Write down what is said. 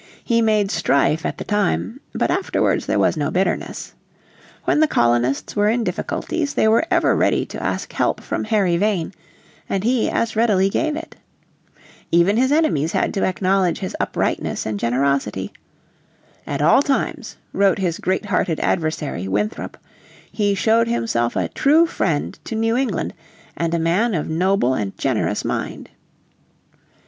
He made strife at the time, but afterwards there was no bitterness. When the colonists were in difficulties they were ever ready to ask help from Harry Vane, and he as readily gave it. Even his enemies had to acknowledge his uprightness and generosity. "At all times," wrote his great hearted adversary, Winthrop, "he showed himself a true friend to New England, and a man of noble and generous mind."